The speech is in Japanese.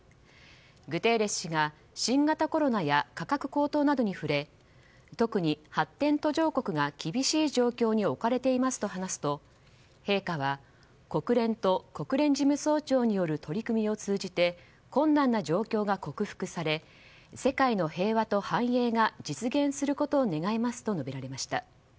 グテーレス氏が新型コロナや価格高騰などに触れ特に発展途上国が厳しい状況に置かれていますと話すと陛下は、国連と国連事務総長による取り組みを通じて困難な状況が克服され世界の平和と繁栄が実現することを願いますと述べられました。